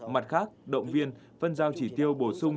mặt khác động viên phân giao chỉ tiêu bổ sung